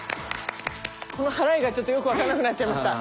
この払いがちょっとよく分からなくなっちゃいました。